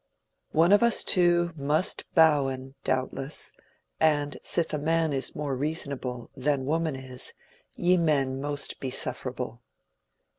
One of us two must bowen douteless, And, sith a man is more reasonable Than woman is, ye [men] moste be suffrable.